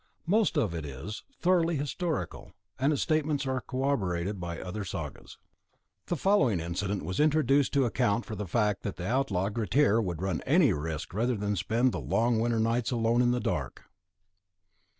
Most of it is thoroughly historical, and its statements are corroborated by other Sagas. The following incident was introduced to account for the fact that the outlaw Grettir would run any risk rather than spend the long winter nights alone in the dark.